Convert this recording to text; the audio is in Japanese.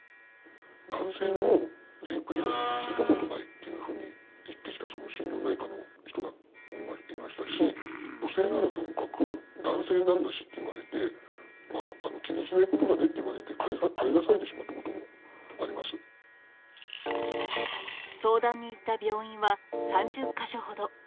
男性のレイプ被害なんて聞いたことないっていうふうに言ってきた、その心療内科の人がいましたし、女性ならともかく男性なんだしって言われて、まあ、気にしないことだねって言われて、帰らされてしまったこともありま相談に行った病院は３０か所ほど。